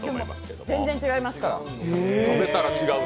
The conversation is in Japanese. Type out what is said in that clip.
でも全然違いますから。